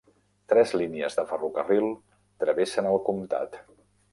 Tres línies de ferrocarril travessen el comtat.